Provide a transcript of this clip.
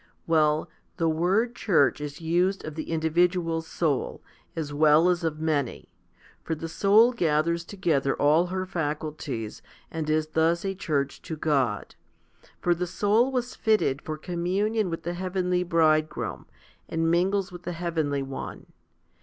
Well, the word "church" is used of the individual soul, as well as of many ; for the soul gathers together all her faculties and is 1 i Cor. xi. 5. HOMILY XII 97 thus a church to God. For the soul was fitted for com munion with the heavenly Bridegroom, and mingles with the heavenly One.